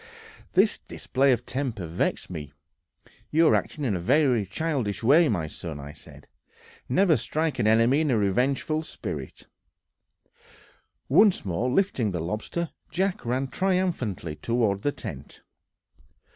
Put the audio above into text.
This display of temper vexed me. "You are acting in a very childish way, my son," said I; "never strike an enemy in a revengeful spirit." Once more lifting the lobster, Jack ran triumphantly toward the tent.